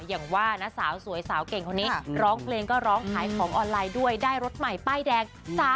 อย่างว่านะสาวสวยสาวเก่งคนนี้ร้องเพลงก็ร้องขายของออนไลน์ด้วยได้รถใหม่ป้ายแดง